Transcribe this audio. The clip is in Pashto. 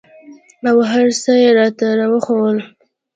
او هرڅه يې راته راوښوول.